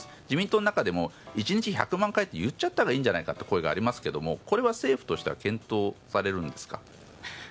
自民党の中でも１日１００万回って言っちゃったらいいんじゃないかという声がありますがこれは政府としては検討されるんですか？